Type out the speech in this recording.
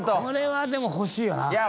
これはでも欲しいよな。